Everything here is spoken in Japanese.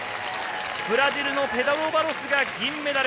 ブラジルのペドロ・バロスが銀メダル。